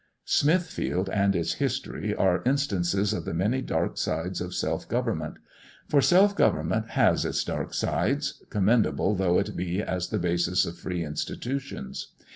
Smithfield and its history are instances of the many dark sides of self government. For self government has its dark sides, commendable though it be as the basis of free institutions.